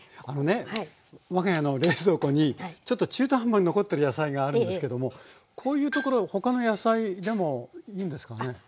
あのね我が家の冷蔵庫にちょっと中途半端に残ってる野菜があるんですけどもこういうところへ他の野菜でもいいんですかね？